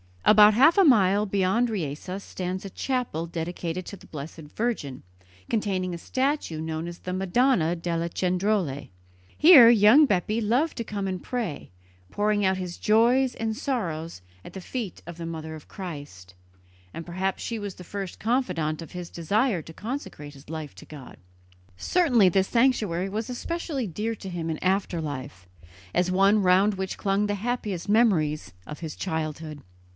About half a mile beyond Riese stands a chapel dedicated to the Blessed Virgin, containing a statue known as the Madonna delle Cendrole. Here young Bepi loved to come and pray, pouring out his joys and sorrows at the feet of the Mother of Christ, and perhaps she was the first confidant of his desire to consecrate his life to God. Certainly this sanctuary was especially dear to him in after life, as one round which clung the happiest memories of his childhood.